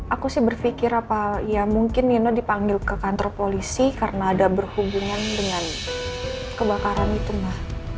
aku sih berpikir apa ya mungkin nino dipanggil ke kantor polisi karena ada berhubungan dengan kebakaran itu mah